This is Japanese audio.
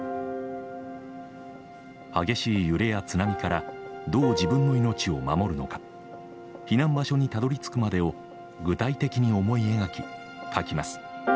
激しい揺れや津波からどう自分の命を守るのか避難場所にたどりつくまでを具体的に思い描き書きます。